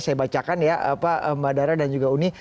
saya bacakan ya mbak dara dan juga uni